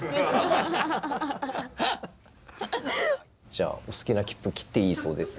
じゃあお好きなきっぷ切っていいそうです。